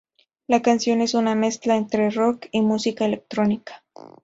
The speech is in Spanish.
La canción es una mezcla entre rock y música electrónica.